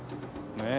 ねえ。